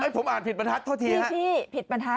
ผมอ่านผิดประทัดโทษทีครับพี่ผิดประทัด